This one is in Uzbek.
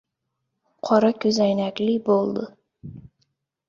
Qora ko‘zoynakli bo‘ldi.